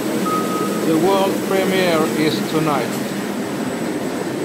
The world premiere is tonight!